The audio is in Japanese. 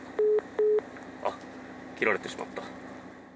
あっ、切られてしまった。